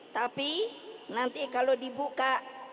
tapi nanti kalau dibuka